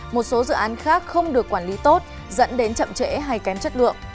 một số dự án khác không được quản lý tốt dẫn đến chậm trễ hay kém chất lượng